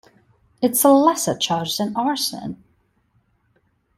It is a lesser charge than arson.